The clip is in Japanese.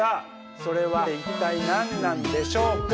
それは一体何なんでしょうか？